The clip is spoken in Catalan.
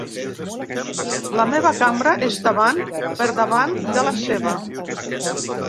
La meva cambra és davant per davant de la seva.